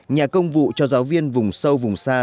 nhà công vụ cho giáo viên vùng sâu vùng xa